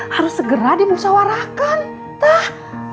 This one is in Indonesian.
harus segera dimusawarakan teh